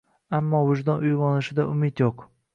Ammo vijdon uyg`onishidan umid yo`q